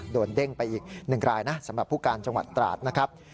เด้งไปอีก๑รายนะสำหรับผู้การจังหวัดตราดนะครับ